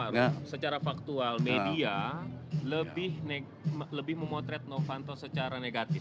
tapi secara faktual pak ruf secara faktual media lebih memotret novanto secara negatif